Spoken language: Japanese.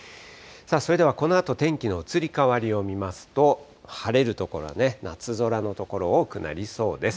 それではこのあと、天気の移り変わりを見ますと、晴れる所がね、夏空の所、多くなりそうです。